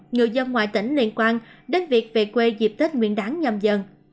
người dân ngoài tỉnh liên quan đến việc về quê dịp tết nguyên đáng nhầm dần dần